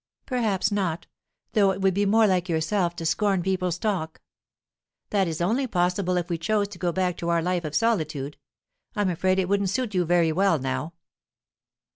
"Perhaps not; though it would be more like yourself to scorn people's talk." "That is only possible if we chose to go back to our life of solitude. I'm afraid it wouldn't suit you very well now."